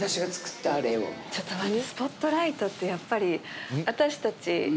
ちょっと待って。